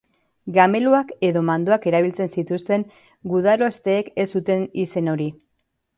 Gameluak edo mandoak erabiltzen zituzten gudarosteek ez zuten izen hori.